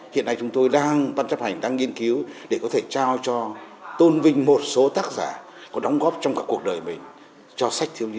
hiện nay chúng tôi đang ban chấp hành đang nghiên cứu để có thể trao cho tôn vinh một số tác giả có đóng góp trong cả cuộc đời mình cho sách thiếu nhi